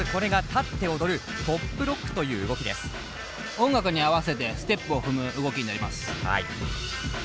音楽に合わせてステップを踏む動きになります。